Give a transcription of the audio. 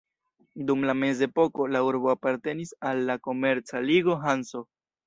Dum la mezepoko, la urbo apartenis al la komerca ligo Hanso.